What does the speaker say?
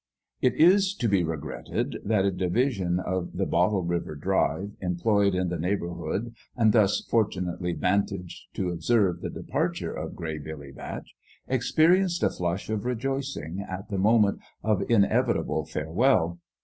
It is to be regretted that a division of the Bottle River drive, employed in the neighbour hood, and thus fortunately vantaged to observe the departure of Gray Billy Batch, experienced a flush of rejoicing at the moment of inevitable farewell.